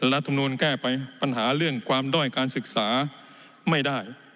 รัฐมนูลแก้ไปปัญหาเรื่องความด้อยการศึกษาไม่ได้